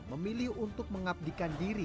memilih untuk mengabdikan diri